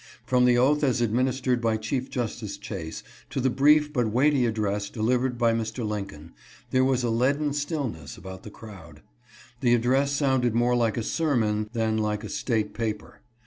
From the oath as administered by Chief Justice Chase, to the brief but weighty address delivered by Mr. Lincoln, there was a leaden stillness about the crowd. The address sounded more like a sermon than like a state paper.